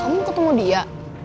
kamu ketemu dia